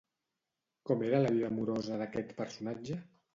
Com era la vida amorosa d'aquest personatge?